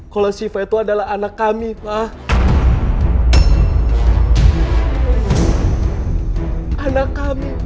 kalau siva itu adalah anak kami pak